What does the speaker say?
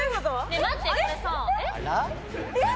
待ってこれさえっ？